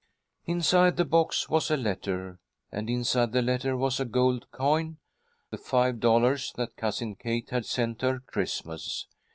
Inside the box was a letter, and inside the letter was a gold coin, the five dollars that Cousin Kate had sent her Christmas.